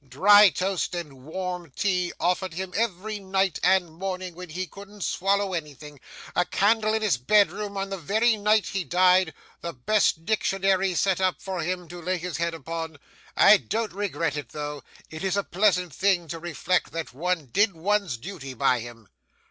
Dry toast and warm tea offered him every night and morning when he couldn't swallow anything a candle in his bedroom on the very night he died the best dictionary sent up for him to lay his head upon I don't regret it though. It is a pleasant thing to reflect that one did one's duty by him.